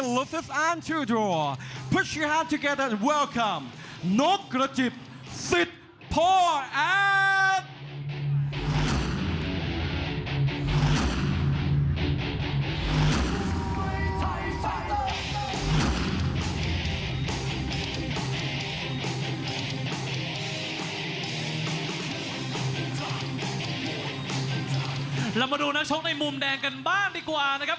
มาดูนักชกในมุมแดงกันบ้างดีกว่านะครับ